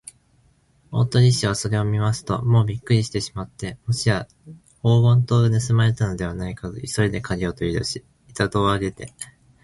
大鳥氏はそれを見ますと、もうびっくりしてしまって、もしや黄金塔がぬすまれたのではないかと、急いでかぎをとりだし、板戸をあけて